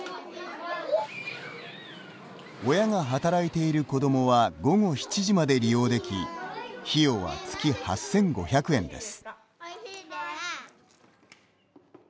親が働いている子どもは午後７時まで利用でき費用は月８５００円です。